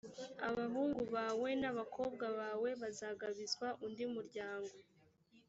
abahungu bawe n’abakobwa bawe bazagabizwa undi muryango,